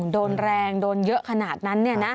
โดนแรงโดนเยอะขนาดนั้น